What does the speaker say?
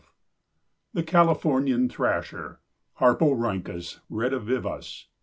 ] THE CALIFORNIAN THRASHER. (_Harporhynchus redivivus.